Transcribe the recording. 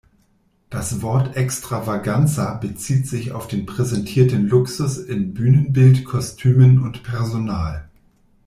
Das Wort Extravaganza bezieht sich auf den präsentierten Luxus in Bühnenbild, Kostümen und Personal.